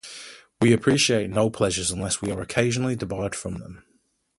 We appreciate no pleasures unless we are occasionally debarred from them.